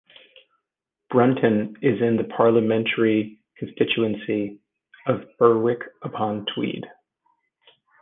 Brunton is in the parliamentary constituency of Berwick-upon-Tweed.